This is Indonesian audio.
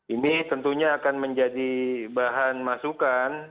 ini tentunya akan menjadi bahan masukan